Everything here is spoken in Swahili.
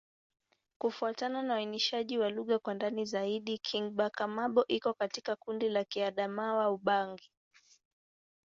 Kufuatana na uainishaji wa lugha kwa ndani zaidi, Kingbaka-Ma'bo iko katika kundi la Kiadamawa-Ubangi.